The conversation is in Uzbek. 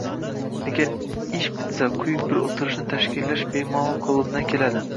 – Agar ish bitsa, quyuq bir o‘tirishni tashkillash bemalol qo‘limdan keladi